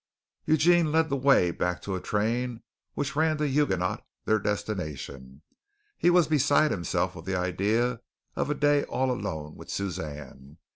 Eugene led the way back to a train which ran to Hugenot, their destination. He was beside himself with the idea of a day all alone with Suzanne.